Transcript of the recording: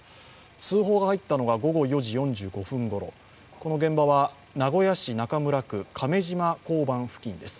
通報が入ったのが午後４時４５分ごろこの現場は名古屋市中村区亀島交番付近です。